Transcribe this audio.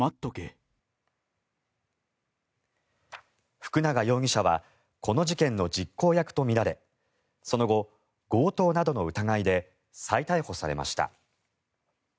福永容疑者はこの事件の実行役とみられその後、強盗などの疑いで再逮捕されました。